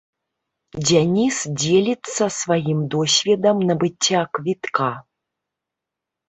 Дзяніс дзеліцца сваім досведам набыцця квітка.